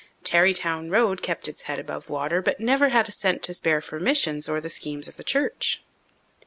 Tarrytown Road kept its head above water but never had a cent to spare for missions or the schemes of the church.